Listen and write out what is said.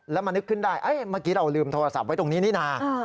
แล้วมานึกขึ้นได้เมื่อกี้เราลืมโทรศัพท์ไว้ตรงนี้นี่นะ